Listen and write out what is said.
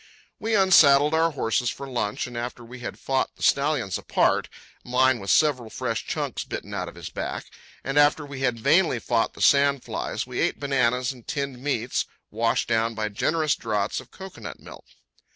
We unsaddled our horses for lunch, and after we had fought the stallions apart—mine with several fresh chunks bitten out of his back—and after we had vainly fought the sand flies, we ate bananas and tinned meats, washed down by generous draughts of cocoanut milk.